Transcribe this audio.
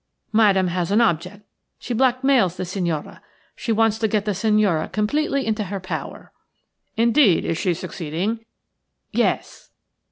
"Madame has an object – she blackmails the signora. She wants to get the signora completely into her power." "Indeed! Is she succeeding?" "Yes."